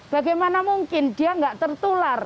bagaimana mungkin dia nggak tertular